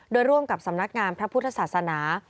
โดยร่วมกับสำนักงานพระพุทธศาสนา